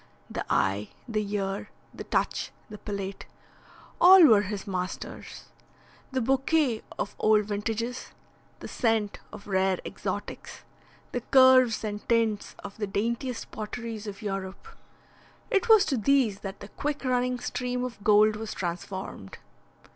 The eye, the ear, the touch, the palate all were his masters. The bouquet of old vintages, the scent of rare exotics, the curves and tints of the daintiest potteries of Europe it was to these that the quick running stream of gold was transformed.